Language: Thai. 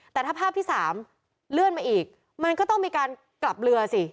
แต่ถ้าภาพที่๓เลื่อนมาอีกมันก็ต้องมีการกลับเรือสิ